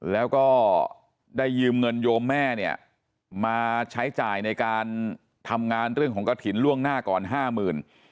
แล้วก็ได้ยืมเงินโยมแม่เนี่ยมาใช้จ่ายในการทำงานเรื่องของกระถิ่นล่วงหน้าก่อนห้าหมื่น